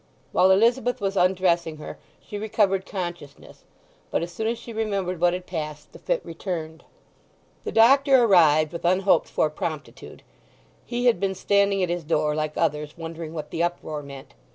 While Elizabeth was undressing her she recovered consciousness; but as soon as she remembered what had passed the fit returned. The doctor arrived with unhoped for promptitude; he had been standing at his door, like others, wondering what the uproar meant.